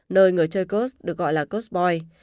nơi người chơi curs được gọi là cursboy